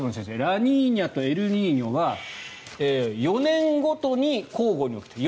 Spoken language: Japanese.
ラニーニャとエルニーニョは４年ごとに交互に起きていた。